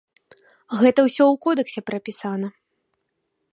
Усё гэта ў кодэксе прапісана.